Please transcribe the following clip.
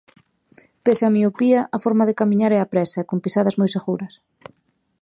Pese a miopía, a forma de camiñar é apresa e con pisadas moi seguras.